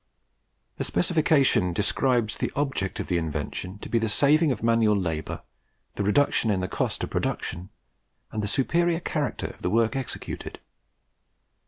The specification describes the object of the invention to be the saving of manual labour, the reduction in the cost of production, and the superior character of the work executed.